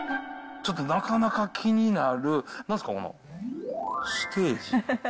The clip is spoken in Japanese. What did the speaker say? ちょっとなかなか気になる、なんですか？